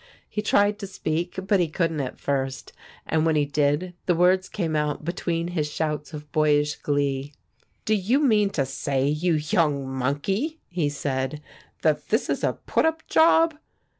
He tried to speak, but he couldn't at first; and when he did the words came out between his shouts of boyish glee. "Do you mean to say, you young monkey," he said, "that this is a put up job?"